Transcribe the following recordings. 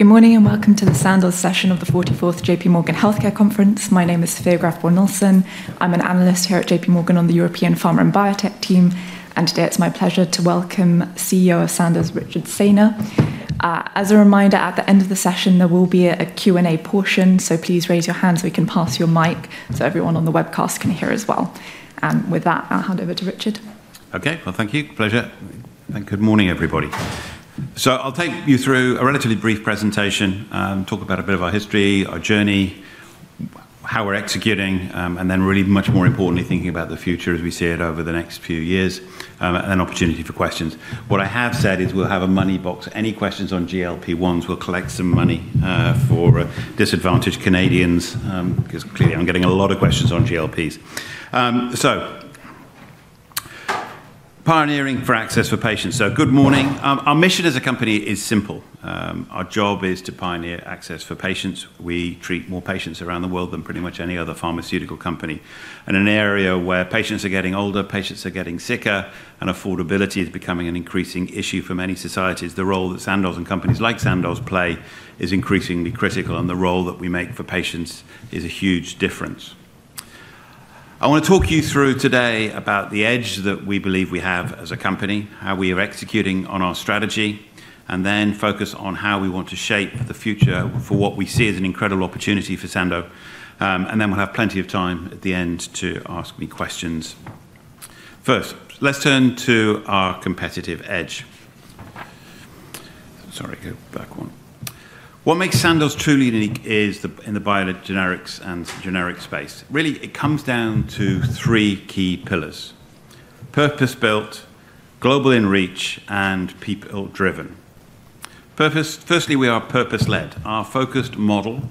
Good morning and welcome to the Sandoz session of the 44th JPMorgan Healthcare Conference. My name is Fearne Bon Nelson. I'm an analyst here at JPMorgan on the European Pharma and Biotech team, and today it's my pleasure to welcome CEO of Sandoz, Richard Saynor. As a reminder, at the end of the session, there will be a Q&A portion, so please raise your hand so we can pass your mic so everyone on the webcast can hear as well. And with that, I'll hand over to Richard. Okay, well, thank you. Pleasure. Good morning, everybody. So I'll take you through a relatively brief presentation, talk about a bit of our history, our journey, how we're executing, and then, really much more importantly, thinking about the future as we see it over the next few years, and an opportunity for questions. What I have said is we'll have a money box. Any questions on GLP-1s, we'll collect some money for disadvantaged Canadians, because clearly I'm getting a lot of questions on GLPs. So, pioneering for access for patients. So, good morning. Our mission as a company is simple. Our job is to pioneer access for patients. We treat more patients around the world than pretty much any other pharmaceutical company. In an era where patients are getting older, patients are getting sicker, and affordability is becoming an increasing issue for many societies, the role that Sandoz and companies like Sandoz play is increasingly critical, and the role that we make for patients is a huge difference. I want to talk you through today about the edge that we believe we have as a company, how we are executing on our strategy, and then focus on how we want to shape the future for what we see as an incredible opportunity for Sandoz. And then we'll have plenty of time at the end to ask any questions. First, let's turn to our competitive edge. Sorry, go back one. What makes Sandoz truly unique is in the biopharma and generics space. Really, it comes down to three key pillars: purpose-built, global in reach, and people-driven. Firstly, we are purpose-led. Our focused model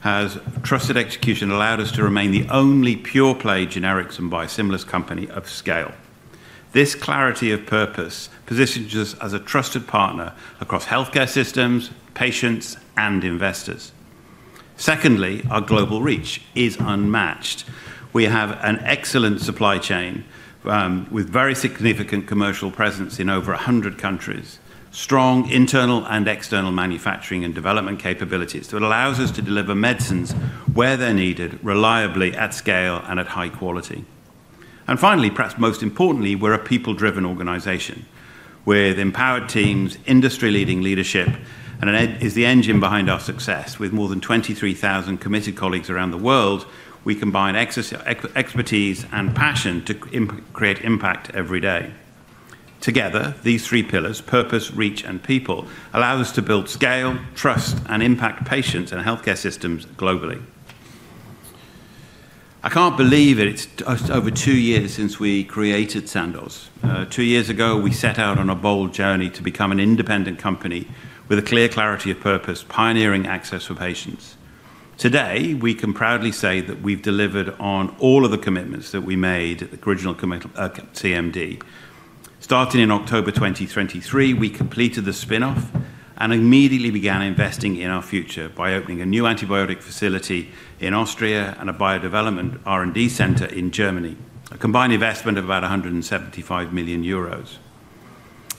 has trusted execution and allowed us to remain the only pure-play generics and biosimilars company of scale. This clarity of purpose positions us as a trusted partner across healthcare systems, patients, and investors. Secondly, our global reach is unmatched. We have an excellent supply chain with very significant commercial presence in over 100 countries, strong internal and external manufacturing and development capabilities that allows us to deliver medicines where they're needed, reliably, at scale, and at high quality. And finally, perhaps most importantly, we're a people-driven organization with empowered teams, industry-leading leadership, and is the engine behind our success. With more than 23,000 committed colleagues around the world, we combine expertise and passion to create impact every day. Together, these three pillars - purpose, reach, and people - allow us to build scale, trust, and impact patients and healthcare systems globally. I can't believe it's over two years since we created Sandoz. Two years ago, we set out on a bold journey to become an independent company with a clear clarity of purpose, pioneering access for patients. Today, we can proudly say that we've delivered on all of the commitments that we made at the original CMD. Starting in October 2023, we completed the spinoff and immediately began investing in our future by opening a new antibiotic facility in Austria and a biodevelopment R&D center in Germany, a combined investment of about 175 million euros.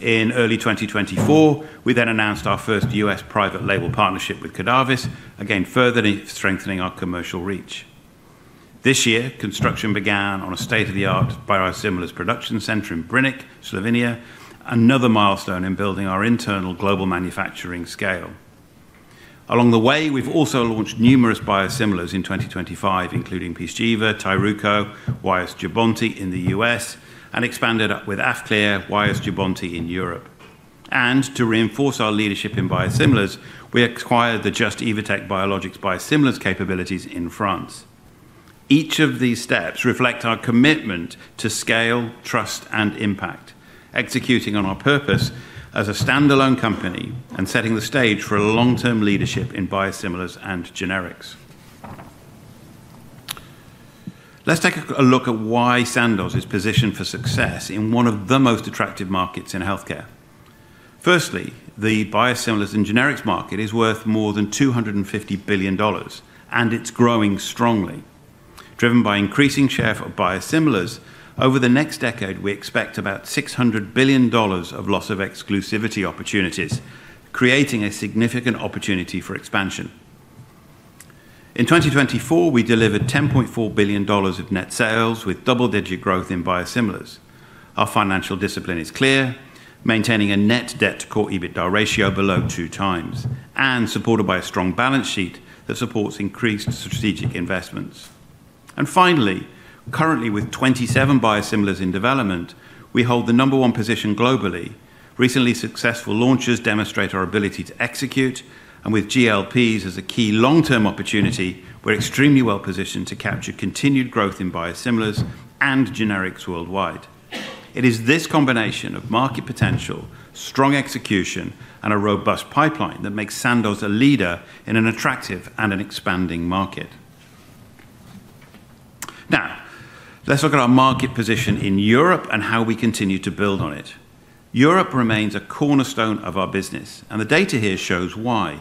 In early 2024, we then announced our first U.S. private label partnership with Cordavis, again further strengthening our commercial reach. This year, construction began on a state-of-the-art biosimilars production center in Brnik, Slovenia, another milestone in building our internal global manufacturing scale. Along the way, we've also launched numerous biosimilars in 2025, including Pyzchiva, Tyruko, Wyost and Jubbonti in the U.S., and expanded with Afqlir, Jubbonti, Wyost and Jubbonti in Europe, and to reinforce our leadership in biosimilars, we acquired the Just - Evotec Biologics biosimilars capabilities in France. Each of these steps reflects our commitment to scale, trust, and impact, executing on our purpose as a standalone company and setting the stage for long-term leadership in biosimilars and generics. Let's take a look at why Sandoz is positioned for success in one of the most attractive markets in healthcare. Firstly, the biosimilars and generics market is worth more than $250 billion, and it's growing strongly. Driven by increasing share of biosimilars, over the next decade, we expect about $600 billion of loss of exclusivity opportunities, creating a significant opportunity for expansion. In 2024, we delivered $10.4 billion of net sales with double-digit growth in biosimilars. Our financial discipline is clear, maintaining a net debt to core EBITDA ratio below 2x, and supported by a strong balance sheet that supports increased strategic investments. Finally, currently, with 27 biosimilars in development, we hold the number one position globally. Recently successful launches demonstrate our ability to execute, and with GLPs as a key long-term opportunity, we're extremely well positioned to capture continued growth in biosimilars and generics worldwide. It is this combination of market potential, strong execution, and a robust pipeline that makes Sandoz a leader in an attractive and an expanding market. Now, let's look at our market position in Europe and how we continue to build on it. Europe remains a cornerstone of our business, and the data here shows why.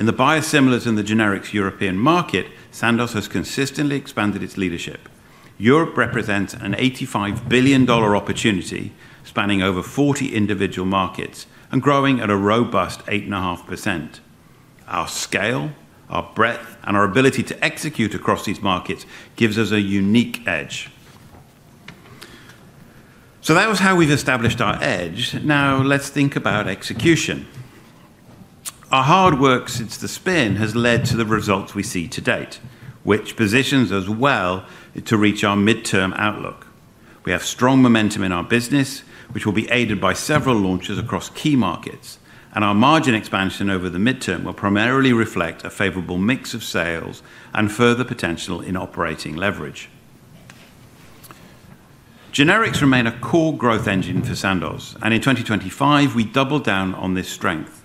In the biosimilars and the generics European market, Sandoz has consistently expanded its leadership. Europe represents an $85 billion opportunity spanning over 40 individual markets and growing at a robust 8.5%. Our scale, our breadth, and our ability to execute across these markets gives us a unique edge. So that was how we've established our edge. Now, let's think about execution. Our hard work since the spin has led to the results we see to date, which positions us well to reach our midterm outlook. We have strong momentum in our business, which will be aided by several launches across key markets, and our margin expansion over the midterm will primarily reflect a favorable mix of sales and further potential in operating leverage. Generics remain a core growth engine for Sandoz, and in 2025, we doubled down on this strength.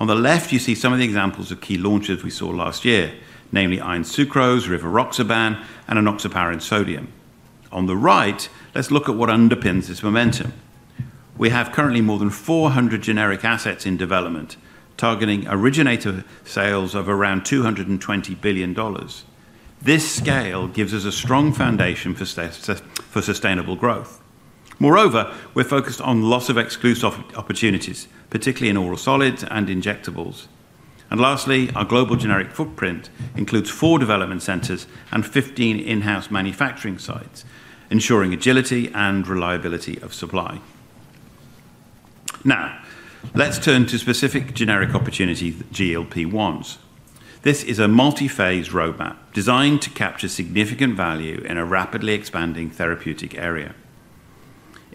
On the left, you see some of the examples of key launches we saw last year, namely iron sucrose, rivaroxaban, and enoxaparin sodium. On the right, let's look at what underpins this momentum. We have currently more than 400 generic assets in development, targeting originator sales of around $220 billion. This scale gives us a strong foundation for sustainable growth. Moreover, we're focused on loss of exclusivity opportunities, particularly in oral solids and injectables, and lastly, our global generic footprint includes four development centers and 15 in-house manufacturing sites, ensuring agility and reliability of supply. Now, let's turn to specific generic opportunity GLP-1s. This is a multi-phase roadmap designed to capture significant value in a rapidly expanding therapeutic area.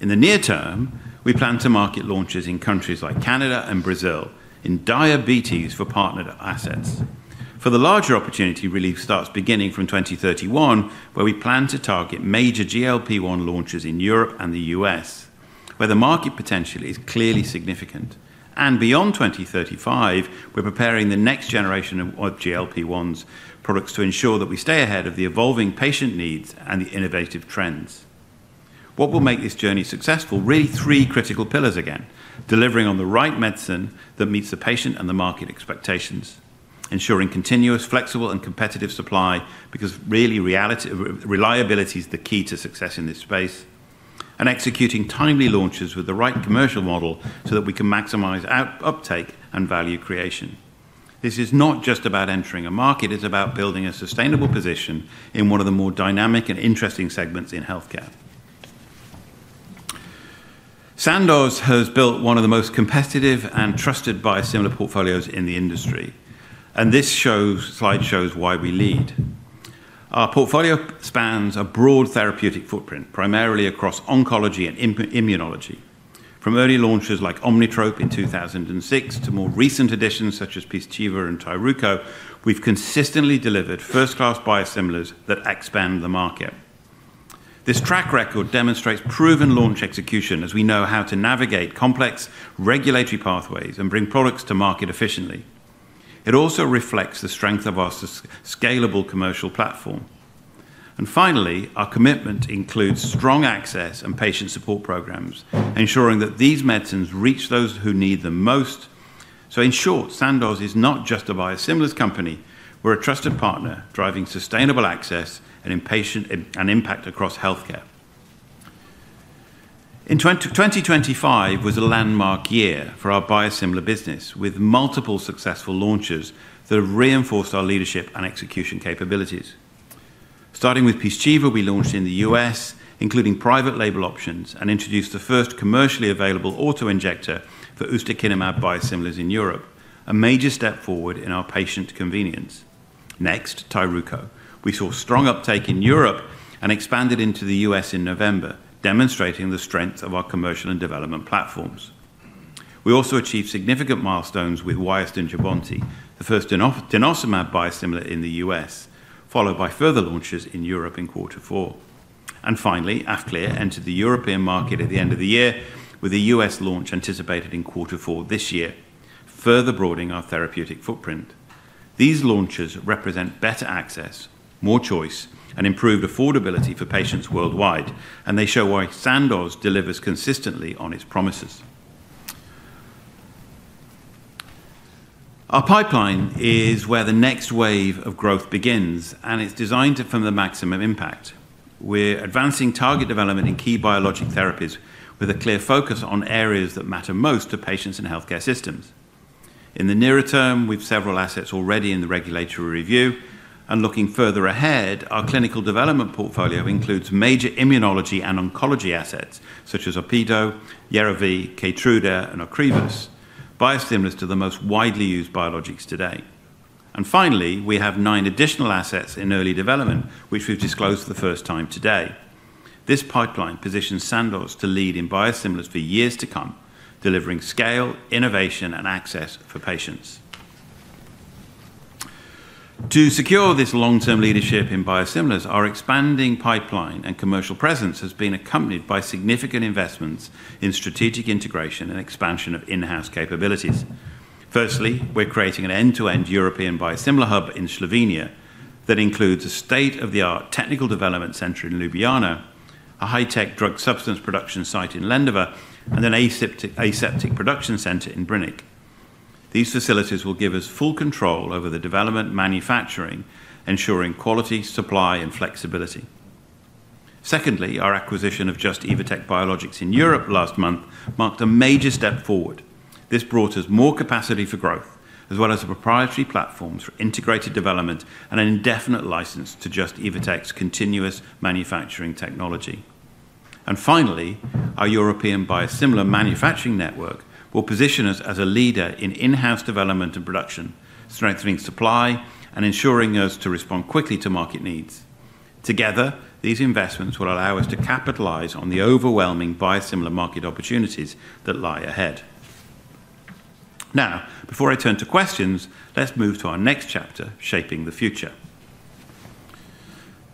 In the near term, we plan to market launches in countries like Canada and Brazil in diabetes for partnered assets. For the larger opportunity relief starts beginning from 2031, where we plan to target major GLP-1 launches in Europe and the U.S., where the market potential is clearly significant, and beyond 2035, we're preparing the next generation of GLP-1s products to ensure that we stay ahead of the evolving patient needs and the innovative trends. What will make this journey successful? Really, three critical pillars again: delivering on the right medicine that meets the patient and the market expectations, ensuring continuous, flexible, and competitive supply because really, reliability is the key to success in this space, and executing timely launches with the right commercial model so that we can maximize uptake and value creation. This is not just about entering a market. It's about building a sustainable position in one of the more dynamic and interesting segments in healthcare. Sandoz has built one of the most competitive and trusted biosimilar portfolios in the industry, and this slide shows why we lead. Our portfolio spans a broad therapeutic footprint, primarily across oncology and immunology. From early launches like Omnitrope in 2006 to more recent additions such as Pyzchiva and Tyruko, we've consistently delivered first-class biosimilars that expand the market. This track record demonstrates proven launch execution as we know how to navigate complex regulatory pathways and bring products to market efficiently. It also reflects the strength of our scalable commercial platform. And finally, our commitment includes strong access and patient support programs, ensuring that these medicines reach those who need them most. So in short, Sandoz is not just a biosimilars company. We're a trusted partner driving sustainable access and impact across healthcare. In 2025 was a landmark year for our biosimilar business, with multiple successful launches that have reinforced our leadership and execution capabilities. Starting with Pyzchiva, we launched in the U.S., including private label options, and introduced the first commercially available auto-injector for ustekinumab biosimilars in Europe, a major step forward in our patient convenience. Next, Tyruko. We saw strong uptake in Europe and expanded into the U.S. in November, demonstrating the strength of our commercial and development platforms. We also achieved significant milestones with Wyost and Jubbonti, the first denosumab biosimilar in the U.S., followed by further launches in Europe in quarter four. And finally, Afqlir entered the European market at the end of the year, with a U.S. launch anticipated in quarter four this year, further broadening our therapeutic footprint. These launches represent better access, more choice, and improved affordability for patients worldwide, and they show why Sandoz delivers consistently on its promises. Our pipeline is where the next wave of growth begins, and it's designed to form the maximum impact. We're advancing target development in key biologic therapies with a clear focus on areas that matter most to patients and healthcare systems. In the nearer term, we've several assets already in the regulatory review, and looking further ahead, our clinical development portfolio includes major immunology and oncology assets such as Opdivo, Yervoy, Keytruda, and Ocrevus, biosimilars to the most widely used biologics today, and finally, we have nine additional assets in early development, which we've disclosed for the first time today. This pipeline positions Sandoz to lead in biosimilars for years to come, delivering scale, innovation, and access for patients. To secure this long-term leadership in biosimilars, our expanding pipeline and commercial presence has been accompanied by significant investments in strategic integration and expansion of in-house capabilities. Firstly, we're creating an end-to-end European biosimilar hub in Slovenia that includes a state-of-the-art technical development center in Ljubljana, a high-tech drug substance production site in Lendava, and an aseptic production center in Brnik. These facilities will give us full control over the development manufacturing, ensuring quality, supply, and flexibility. Secondly, our acquisition of Just - Evotec Biologics in Europe last month marked a major step forward. This brought us more capacity for growth, as well as proprietary platforms for integrated development and an indefinite license to Just - Evotec's continuous manufacturing technology. And finally, our European biosimilar manufacturing network will position us as a leader in in-house development and production, strengthening supply and ensuring us to respond quickly to market needs. Together, these investments will allow us to capitalize on the overwhelming biosimilar market opportunities that lie ahead. Now, before I turn to questions, let's move to our next chapter, shaping the future.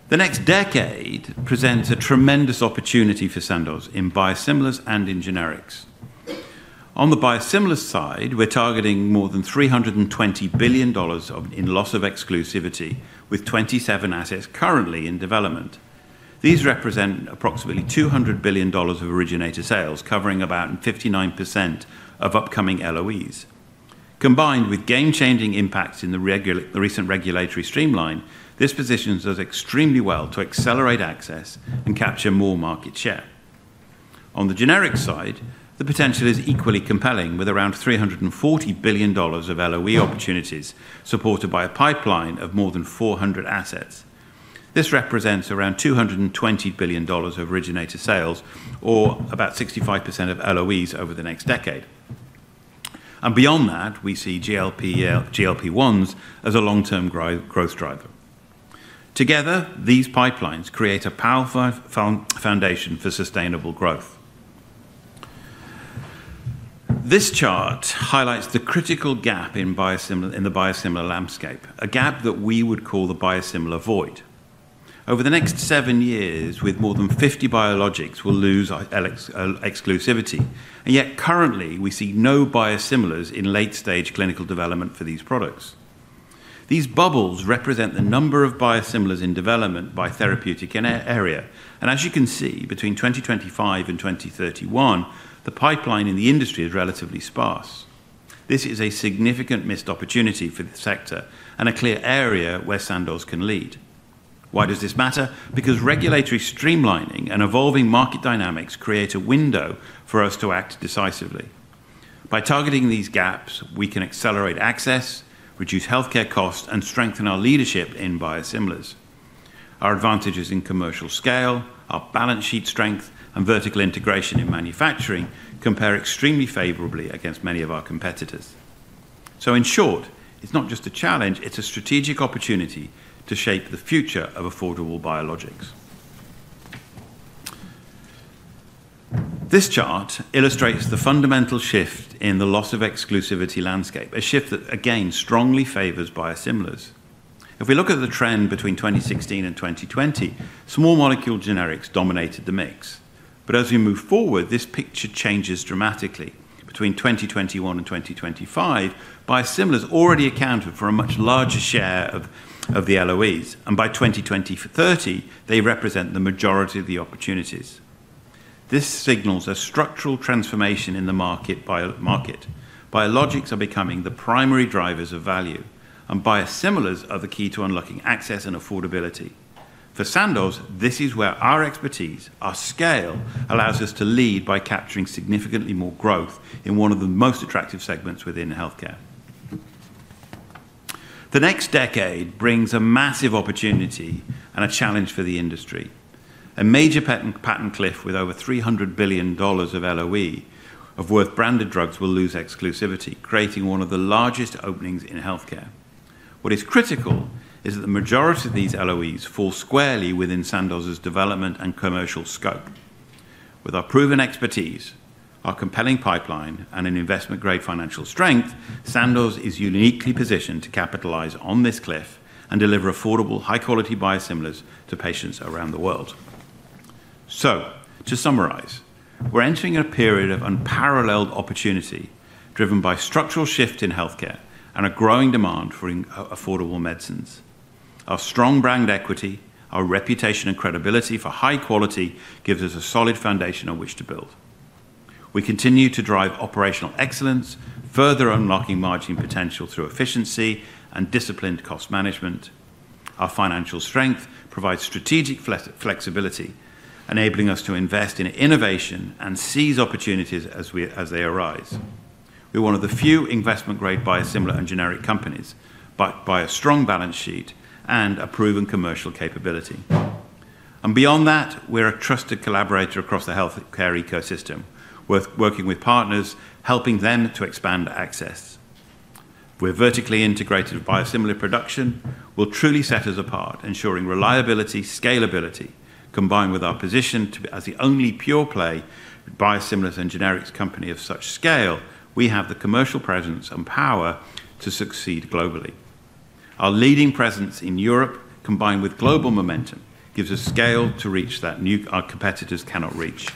The next decade presents a tremendous opportunity for Sandoz in biosimilars and in generics. On the biosimilars side, we're targeting more than $320 billion in loss of exclusivity, with 27 assets currently in development. These represent approximately $200 billion of originator sales, covering about 59% of upcoming LOEs. Combined with game-changing impacts in the recent regulatory streamline, this positions us extremely well to accelerate access and capture more market share. On the generic side, the potential is equally compelling, with around $340 billion of LOE opportunities supported by a pipeline of more than 400 assets. This represents around $220 billion of originator sales, or about 65% of LOEs over the next decade. Beyond that, we see GLP-1s as a long-term growth driver. Together, these pipelines create a powerful foundation for sustainable growth. This chart highlights the critical gap in the biosimilar landscape, a gap that we would call the biosimilar void. Over the next seven years, with more than 50 biologics, we'll lose exclusivity. Yet currently, we see no biosimilars in late-stage clinical development for these products. These bubbles represent the number of biosimilars in development by therapeutic area. As you can see, between 2025 and 2031, the pipeline in the industry is relatively sparse. This is a significant missed opportunity for the sector and a clear area where Sandoz can lead. Why does this matter? Because regulatory streamlining and evolving market dynamics create a window for us to act decisively. By targeting these gaps, we can accelerate access, reduce healthcare costs, and strengthen our leadership in biosimilars. Our advantages in commercial scale, our balance sheet strength, and vertical integration in manufacturing compare extremely favorably against many of our competitors. So in short, it's not just a challenge. It's a strategic opportunity to shape the future of affordable biologics. This chart illustrates the fundamental shift in the loss of exclusivity landscape, a shift that, again, strongly favors biosimilars. If we look at the trend between 2016 and 2020, small molecule generics dominated the mix. But as we move forward, this picture changes dramatically. Between 2021 and 2025, biosimilars already accounted for a much larger share of the LOEs, and by 2030, they represent the majority of the opportunities. This signals a structural transformation in the market. Biologics are becoming the primary drivers of value, and biosimilars are the key to unlocking access and affordability. For Sandoz, this is where our expertise, our scale, allows us to lead by capturing significantly more growth in one of the most attractive segments within healthcare. The next decade brings a massive opportunity and a challenge for the industry. A major patent cliff with over $300 billion of LOE worth of branded drugs will lose exclusivity, creating one of the largest openings in healthcare. What is critical is that the majority of these LOEs fall squarely within Sandoz's development and commercial scope. With our proven expertise, our compelling pipeline, and an investment-grade financial strength, Sandoz is uniquely positioned to capitalize on this cliff and deliver affordable, high-quality biosimilars to patients around the world. To summarize, we're entering a period of unparalleled opportunity driven by structural shifts in healthcare and a growing demand for affordable medicines. Our strong brand equity, our reputation, and credibility for high quality give us a solid foundation on which to build. We continue to drive operational excellence, further unlocking margin potential through efficiency and disciplined cost management. Our financial strength provides strategic flexibility, enabling us to invest in innovation and seize opportunities as they arise. We're one of the few investment-grade biosimilar and generic companies by a strong balance sheet and a proven commercial capability, and beyond that, we're a trusted collaborator across the healthcare ecosystem, working with partners, helping them to expand access. With vertically integrated biosimilar production, we'll truly set us apart, ensuring reliability, scalability, combined with our position as the only pure-play biosimilars and generics company of such scale, we have the commercial presence and power to succeed globally. Our leading presence in Europe, combined with global momentum, gives us scale to reach that our competitors cannot reach.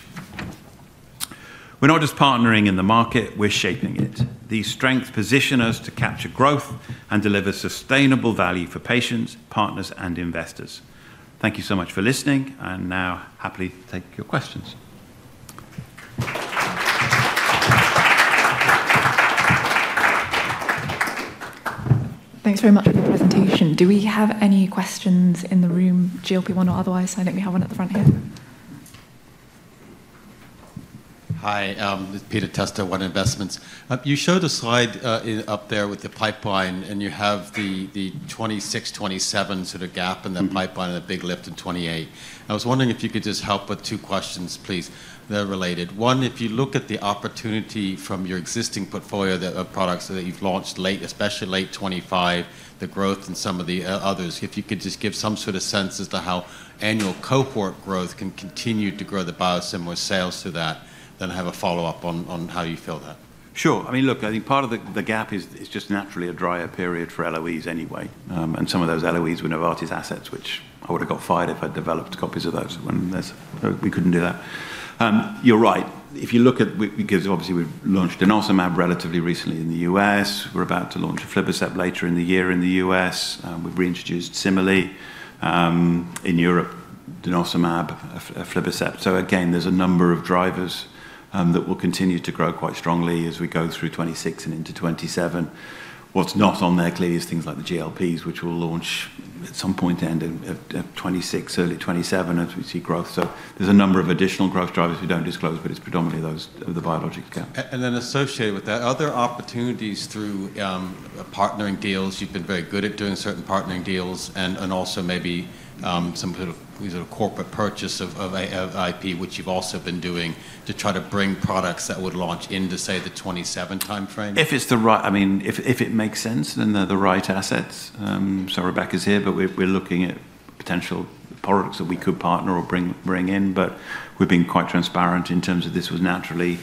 We're not just partnering in the market. We're shaping it. These strengths position us to capture growth and deliver sustainable value for patients, partners, and investors. Thank you so much for listening, and now, happily take your questions. Thanks very much for the presentation. Do we have any questions in the room, GLP-1 or otherwise? I think we have one at the front here. Hi, this is Peter Testa, One Investments. You showed a slide up there with the pipeline, and you have the 2026, 2027 sort of gap in the pipeline and a big lift in 2028. I was wondering if you could just help with two questions, please. They're related. One, if you look at the opportunity from your existing portfolio of products that you've launched late, especially late 2025, the growth and some of the others, if you could just give some sort of sense as to how annual cohort growth can continue to grow the biosimilar sales to that, then have a follow-up on how you feel that. Sure. I mean, look, I think part of the gap is just naturally a drier period for LOEs anyway. And some of those LOEs were Novartis assets, which I would have got fired if I'd developed copies of those when we couldn't do that. You're right. If you look at, because obviously we've launched denosumab relatively recently in the US, we're about to launch aflibercept later in the year in the U.S. We've reintroduced Cimerli in Europe, denosumab, aflibercept. So again, there's a number of drivers that will continue to grow quite strongly as we go through 2026 and into 2027. What's not entirely clear is things like the GLPs, which will launch at some point at the end of 2026, early 2027, as we see growth. So there's a number of additional growth drivers we don't disclose, but it's predominantly those of the biologics gap. And then associated with that, are there opportunities through partnering deals? You've been very good at doing certain partnering deals and also maybe some sort of corporate purchase of IP, which you've also been doing to try to bring products that would launch into, say, the 2027 timeframe? If it's the right, I mean, if it makes sense, then they're the right assets. Sorry, Rebecca's here, but we're looking at potential products that we could partner or bring in. But we've been quite transparent in terms of this was naturally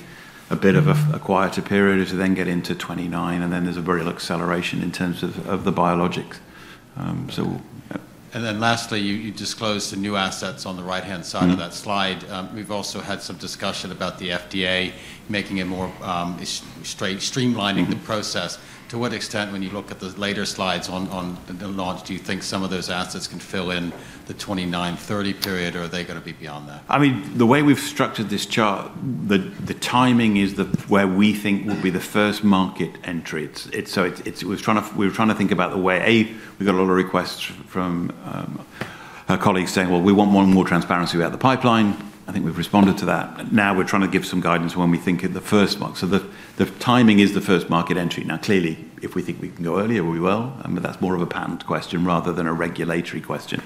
a bit of a quieter period as we then get into 2029, and then there's a very acceleration in terms of the biologics. So... And then lastly, you disclosed the new assets on the right-hand side of that slide. We've also had some discussion about the FDA making it more straight, streamlining the process. To what extent, when you look at the later slides on the launch, do you think some of those assets can fill in the 2029, 2030 period, or are they going to be beyond that? I mean, the way we've structured this chart, the timing is where we think will be the first market entry. So we were trying to think about the way, A, we've got a lot of requests from our colleagues saying, "Well, we want more and more transparency about the pipeline." I think we've responded to that. Now we're trying to give some guidance when we think of the first market. So the timing is the first market entry. Now, clearly, if we think we can go earlier, we will, but that's more of a patent question rather than a regulatory question.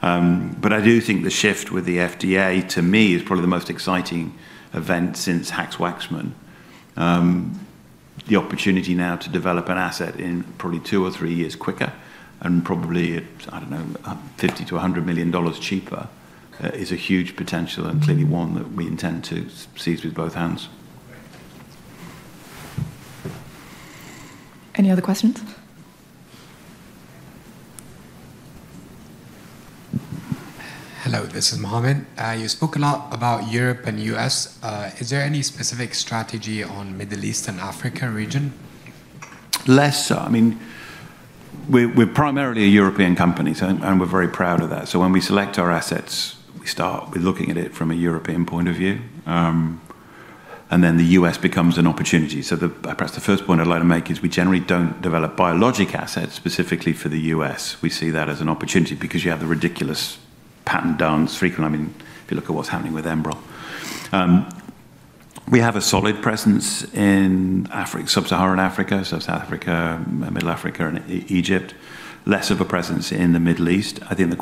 But I do think the shift with the FDA, to me, is probably the most exciting event since Hatch-Waxman. The opportunity now to develop an asset in probably two or three years quicker and probably, I don't know, $50 million-$100 million cheaper is a huge potential and clearly one that we intend to seize with both hands. Any other questions? Hello, this is Mohammed. You spoke a lot about Europe and U.S. Is there any specific strategy on the Middle East and Africa region? Less so. I mean, we're primarily a European company, and we're very proud of that. So when we select our assets, we start with looking at it from a European point of view, and then the U.S. becomes an opportunity. So perhaps the first point I'd like to make is we generally don't develop biologic assets specifically for the U.S. We see that as an opportunity because you have the ridiculous patent dance frequently. I mean, if you look at what's happening with Enbrel, we have a solid presence in Africa, sub-Saharan Africa, Middle Africa, and Egypt, less of a presence in the Middle East. I think the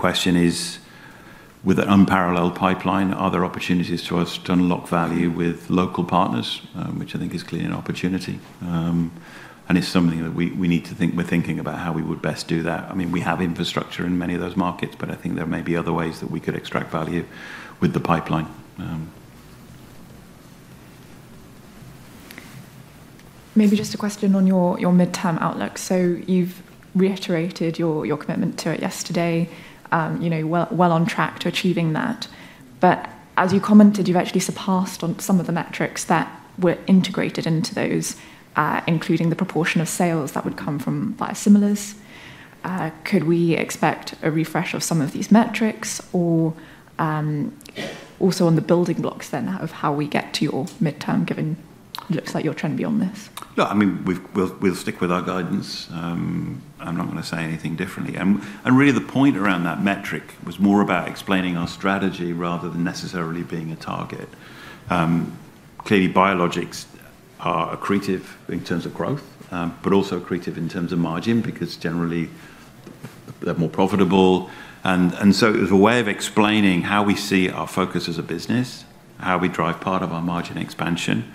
question is, with an unparalleled pipeline, are there opportunities for us to unlock value with local partners, which I think is clearly an opportunity? It's something that we need to think about how we would best do that. I mean, we have infrastructure in many of those markets, but I think there may be other ways that we could extract value with the pipeline. Maybe just a question on your midterm outlook. So you've reiterated your commitment to it yesterday, well on track to achieving that. But as you commented, you've actually surpassed on some of the metrics that were integrated into those, including the proportion of sales that would come from biosimilars. Could we expect a refresh of some of these metrics or also on the building blocks then of how we get to your midterm, given it looks like your trend beyond this? Look, I mean, we'll stick with our guidance. I'm not going to say anything differently. And really, the point around that metric was more about explaining our strategy rather than necessarily being a target. Clearly, biologics are accretive in terms of growth, but also accretive in terms of margin because generally, they're more profitable. And so it was a way of explaining how we see our focus as a business, how we drive part of our margin expansion.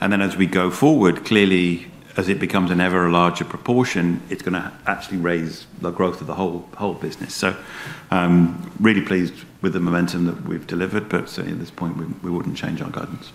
And then as we go forward, clearly, as it becomes an ever larger proportion, it's going to actually raise the growth of the whole business. So really pleased with the momentum that we've delivered, but certainly at this point, we wouldn't change our guidance.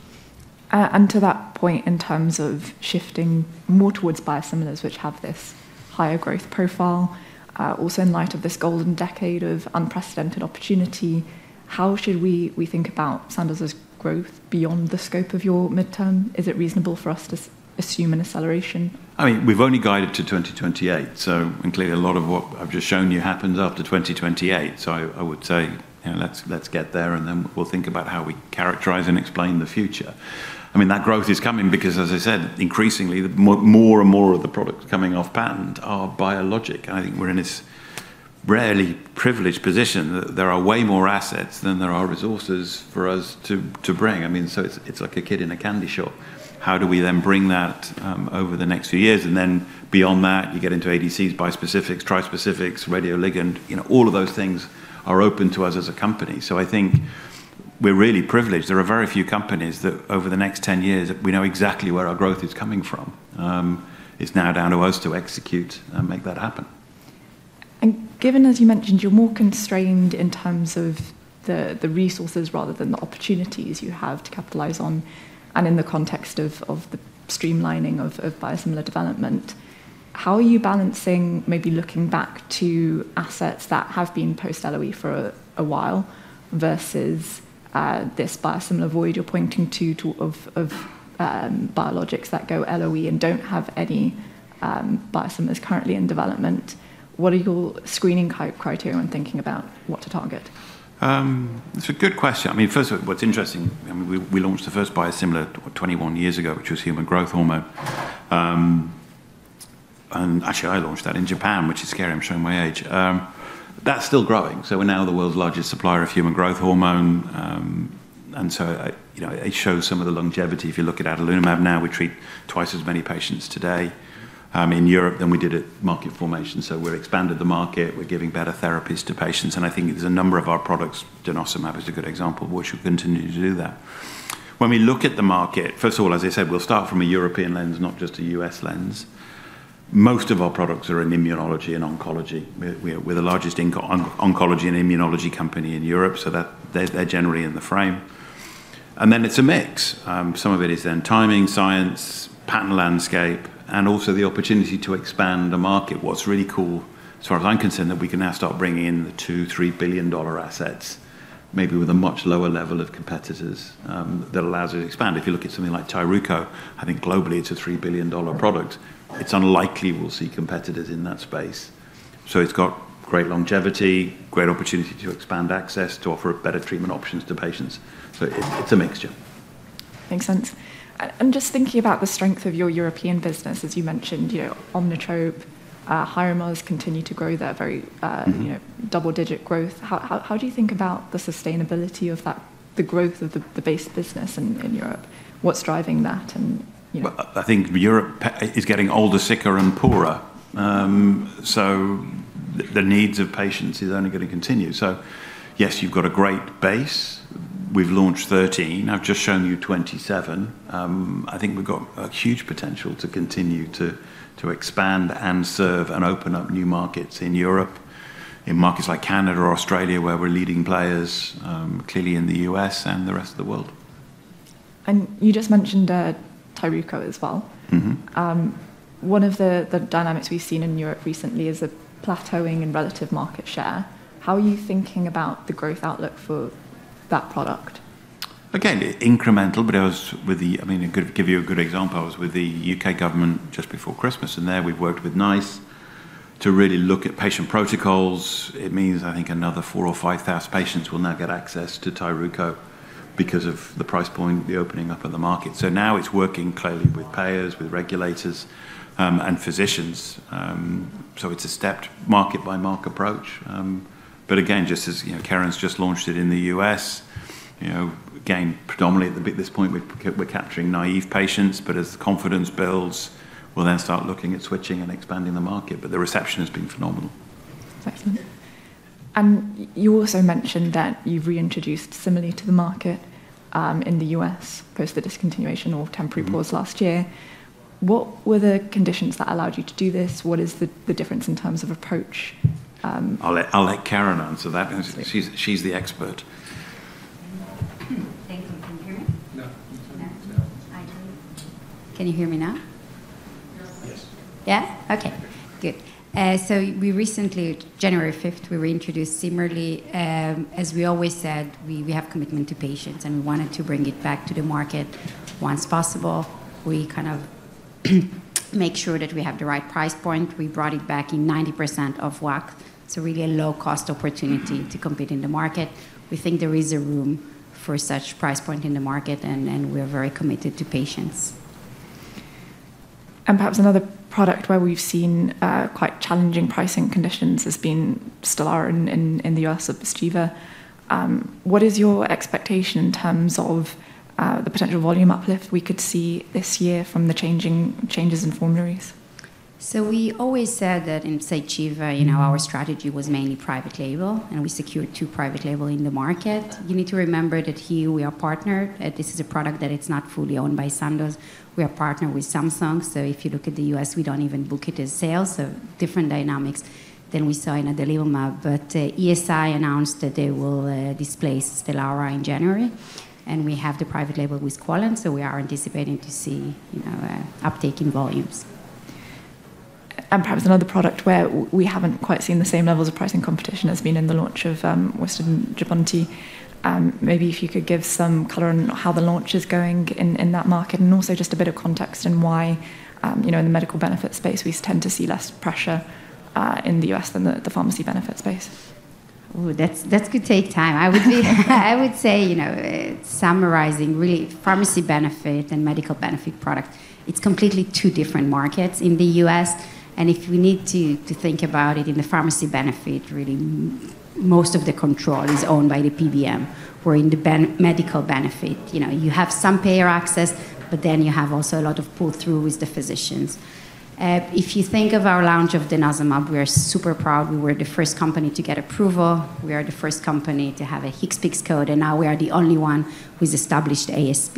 To that point, in terms of shifting more towards biosimilars, which have this higher growth profile, also in light of this golden decade of unprecedented opportunity, how should we think about Sandoz's growth beyond the scope of your midterm? Is it reasonable for us to assume an acceleration? I mean, we've only guided to 2028, and clearly, a lot of what I've just shown you happens after 2028. So I would say, let's get there, and then we'll think about how we characterize and explain the future. I mean, that growth is coming because, as I said, increasingly, more and more of the products coming off patent are biologic. And I think we're in this rarely privileged position that there are way more assets than there are resources for us to bring. I mean, so it's like a kid in a candy shop. How do we then bring that over the next few years? And then beyond that, you get into ADCs, bispecifics, trispecifics, radioligand. All of those things are open to us as a company. So I think we're really privileged. There are very few companies that, over the next 10 years, we know exactly where our growth is coming from. It's now down to us to execute and make that happen. Given, as you mentioned, you're more constrained in terms of the resources rather than the opportunities you have to capitalize on and in the context of the streamlining of biosimilar development, how are you balancing maybe looking back to assets that have been post-LOE for a while versus this biosimilar void you're pointing to of biologics that go LOE and don't have any biosimilars currently in development? What are your screening criteria when thinking about what to target? It's a good question. I mean, first of all, what's interesting, I mean, we launched the first biosimilar 21 years ago, which was human growth hormone. And actually, I launched that in Japan, which is scary. I'm showing my age. That's still growing. So we're now the world's largest supplier of human growth hormone. And so it shows some of the longevity. If you look at adalimumab now, we treat twice as many patients today in Europe than we did at market formation. So we've expanded the market. We're giving better therapies to patients. And I think there's a number of our products, denosumab is a good example, which will continue to do that. When we look at the market, first of all, as I said, we'll start from a European lens, not just a U.S. lens. Most of our products are in immunology and oncology. We're the largest oncology and immunology company in Europe, so they're generally in the frame. Then it's a mix. Some of it is then timing, science, patent landscape, and also the opportunity to expand the market. What's really cool, as far as I'm concerned, that we can now start bringing in the $2 billion-$3 billion assets, maybe with a much lower level of competitors that allows us to expand. If you look at something like Tyruko, I think globally it's a $3 billion product. It's unlikely we'll see competitors in that space. It's got great longevity, great opportunity to expand access, to offer better treatment options to patients. It's a mixture. Makes sense, and just thinking about the strength of your European business, as you mentioned, Omnitrope, Hyrimoz continue to grow. They're very double-digit growth. How do you think about the sustainability of the growth of the base business in Europe? What's driving that? I think Europe is getting older, sicker, and poorer. So the needs of patients are only going to continue. So yes, you've got a great base. We've launched 13. I've just shown you 27. I think we've got a huge potential to continue to expand and serve and open up new markets in Europe, in markets like Canada or Australia, where we're leading players, clearly in the U.S. and the rest of the world. You just mentioned Tyruko as well. One of the dynamics we've seen in Europe recently is a plateauing in relative market share. How are you thinking about the growth outlook for that product? Again, incremental, but I mean, I'll give you a good example. I was with the U.K. government just before Christmas, and there we worked with NICE to really look at patient protocols. It means, I think, another four or five thousand patients will now get access to Tyruko because of the price point, the opening up of the market, so now it's working clearly with payers, with regulators, and physicians, so it's a stepped market-by-market approach. But again, just as Keren's just launched it in the U.S., again, predominantly at this point, we're capturing naive patients, but as the confidence builds, we'll then start looking at switching and expanding the market, but the reception has been phenomenal. Excellent. And you also mentioned that you've reintroduced similarly to the market in the U.S. post the discontinuation or temporary pause last year. What were the conditions that allowed you to do this? What is the difference in terms of approach? I'll let Karen answer that. She's the expert. Thank you. Can you hear me? No. Can you hear me now? Yes. Yeah? Okay. Good. So we recently, January 5th, we reintroduced Semglee. As we always said, we have commitment to patients, and we wanted to bring it back to the market once possible. We kind of make sure that we have the right price point. We brought it back in 90% of WAC, so really a low-cost opportunity to compete in the market. We think there is a room for such price point in the market, and we're very committed to patients. Perhaps another product where we've seen quite challenging pricing conditions has been Stelara in the US, Pyzchiva. What is your expectation in terms of the potential volume uplift we could see this year from the changes in formularies? So we always said that in Pyzchiva, our strategy was mainly private label, and we secured two private labels in the market. You need to remember that here we are partnered. This is a product that is not fully owned by Sandoz. We are partnered with Samsung. So if you look at the U.S., we don't even book it as sales. So different dynamics than we saw in adalimumab. But ESI announced that they will displace Stelara in January, and we have the private label with Quallent, so we are anticipating to see an uptake in volumes. Perhaps another product where we haven't quite seen the same levels of pricing competition has been in the launch of Wyost and Jubbonti. Maybe if you could give some color on how the launch is going in that market and also just a bit of context on why in the medical benefit space we tend to see less pressure in the U.S. than the pharmacy benefit space. Oh, that could take time. I would say, summarizing really pharmacy benefit and medical benefit product, it's completely two different markets in the U.S. And if we need to think about it in the pharmacy benefit, really most of the control is owned by the PBM, where in the medical benefit, you have some payer access, but then you have also a lot of pull-through with the physicians. If you think of our launch of denosumab, we are super proud. We were the first company to get approval. We are the first company to have a HCPCS code, and now we are the only one who's established ASP.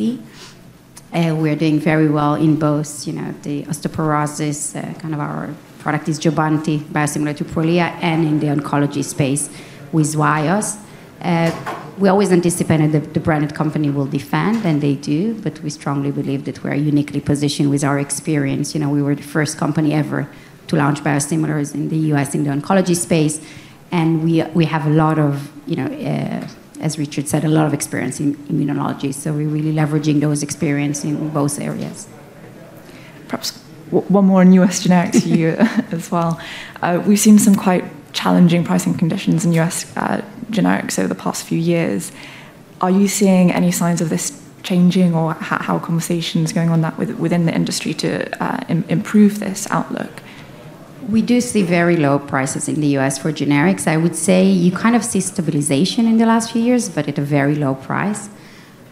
We are doing very well in both the osteoporosis. Kind of our product is Jubbonti, biosimilar to Prolia, and in the oncology space with Wyost. We always anticipated the branded company will defend, and they do, but we strongly believe that we are uniquely positioned with our experience. We were the first company ever to launch biosimilars in the U.S. in the oncology space, and we have a lot of, as Richard said, a lot of experience in immunology, so we're really leveraging those experiences in both areas. Perhaps one more newest generic to you as well. We've seen some quite challenging pricing conditions in U.S. generics over the past few years. Are you seeing any signs of this changing or how conversation is going on that within the industry to improve this outlook? We do see very low prices in the U.S. for generics. I would say you kind of see stabilization in the last few years, but at a very low price.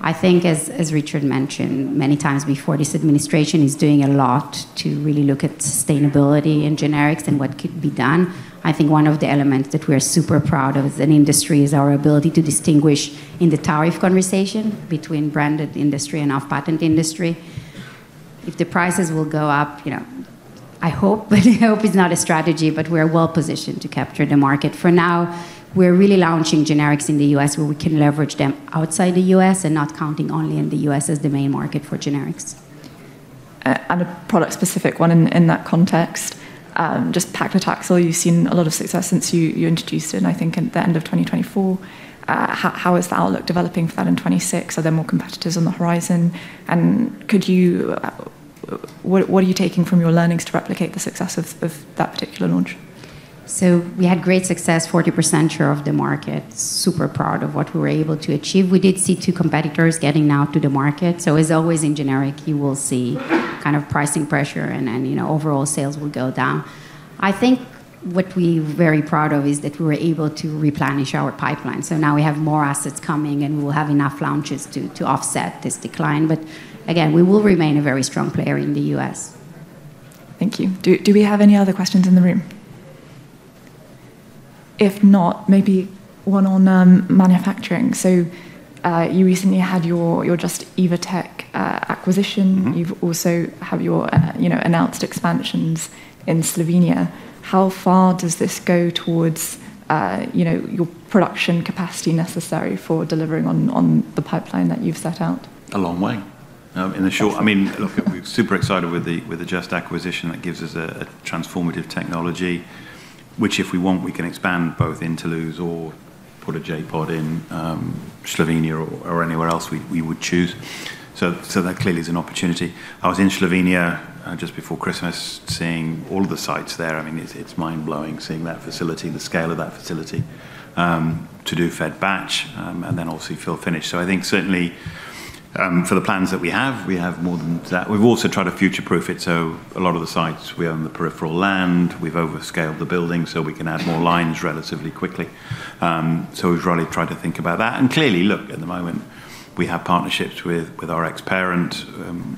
I think, as Richard mentioned many times before, this administration is doing a lot to really look at sustainability in generics and what could be done. I think one of the elements that we are super proud of as an industry is our ability to distinguish in the tariff conversation between branded industry and off-patent industry. If the prices will go up, I hope, but I hope it's not a strategy, but we are well positioned to capture the market. For now, we're really launching generics in the U.S. where we can leverage them outside the U.S. and not counting only in the U.S. as the main market for generics. And a product-specific one in that context, just Paclitaxel, you've seen a lot of success since you introduced it, I think, at the end of 2024. How is the outlook developing for that in 2026? Are there more competitors on the horizon? And what are you taking from your learnings to replicate the success of that particular launch? So we had great success, 40% share of the market. Super proud of what we were able to achieve. We did see two competitors getting now to the market. So as always in generic, you will see kind of pricing pressure and overall sales will go down. I think what we're very proud of is that we were able to replenish our pipeline. So now we have more assets coming, and we will have enough launches to offset this decline. But again, we will remain a very strong player in the U.S. Thank you. Do we have any other questions in the room? If not, maybe one on manufacturing. So you recently had your Just - Evotec acquisition. You've also had your announced expansions in Slovenia. How far does this go towards your production capacity necessary for delivering on the pipeline that you've set out? A long way. I mean, look, we're super excited with the Just acquisition. That gives us a transformative technology, which if we want, we can expand both in Toulouse or put a JPOD in Slovenia or anywhere else we would choose. So that clearly is an opportunity. I was in Slovenia just before Christmas seeing all of the sites there. I mean, it's mind-blowing seeing that facility, the scale of that facility to do Fed-batch and then also fill and finish. So I think certainly for the plans that we have, we have more than that. We've also tried to future-proof it. So a lot of the sites, we own the peripheral land. We've overscaled the building so we can add more lines relatively quickly. So we've really tried to think about that. And clearly, look, at the moment, we have partnerships with our ex-parent.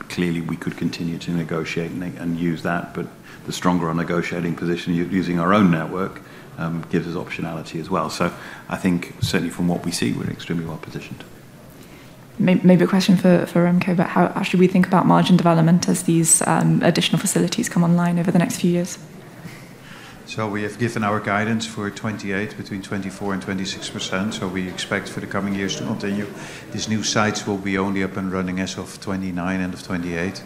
Clearly, we could continue to negotiate and use that, but the stronger negotiating position using our own network gives us optionality as well. So I think certainly from what we see, we're extremely well positioned. Maybe a question for Remco, but how should we think about margin development as these additional facilities come online over the next few years? We have given our guidance for 2028, between 24% and 26%. We expect for the coming years to continue. These new sites will be only up and running as of 2029, end of 2028.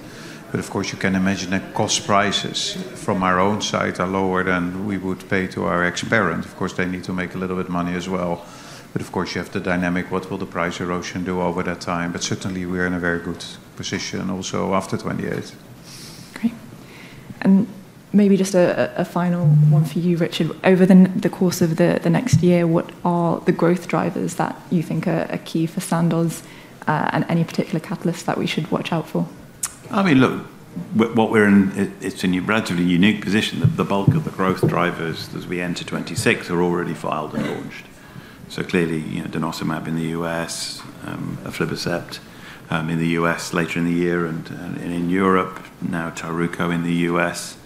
But of course, you can imagine that cost prices from our own site are lower than we would pay to our ex-parent. Of course, they need to make a little bit of money as well. But of course, you have the dynamic. What will the price erosion do over that time? But certainly, we are in a very good position also after 2028. Great. And maybe just a final one for you, Richard. Over the course of the next year, what are the growth drivers that you think are key for Sandoz and any particular catalysts that we should watch out for? I mean, look, what we're in, it's a relatively unique position. The bulk of the growth drivers as we enter 2026 are already filed and launched. So clearly, denosumab in the U.S., aflibercept in the U.S. later in the year, and in Europe, now Tyruko in the U.S.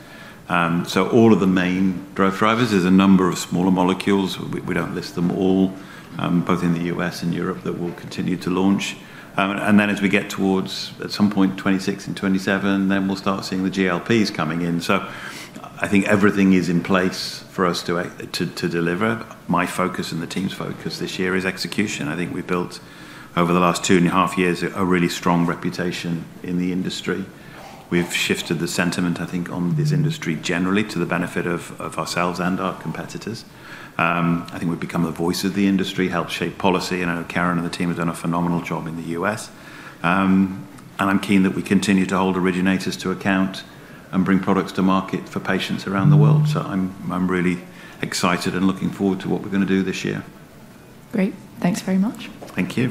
So all of the main growth drivers. There's a number of smaller molecules. We don't list them all, both in the U.S. and Europe that we'll continue to launch. And then as we get towards at some point 2026 and 2027, then we'll start seeing the GLPs coming in. So I think everything is in place for us to deliver. My focus and the team's focus this year is execution. I think we've built over the last two and a half years a really strong reputation in the industry. We've shifted the sentiment, I think, on this industry generally to the benefit of ourselves and our competitors. I think we've become the voice of the industry, helped shape policy. I know Karen and the team have done a phenomenal job in the U.S., and I'm keen that we continue to hold originators to account and bring products to market for patients around the world, so I'm really excited and looking forward to what we're going to do this year. Great. Thanks very much. Thank you.